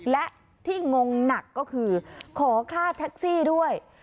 และที่งงหนักก็คือขอค่าแท็กซี่ด้วย